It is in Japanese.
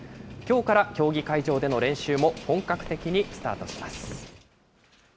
きょうから競技会場での練習も本格的にスタートします。